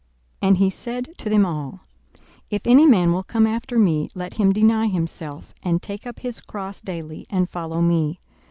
42:009:023 And he said to them all, If any man will come after me, let him deny himself, and take up his cross daily, and follow me.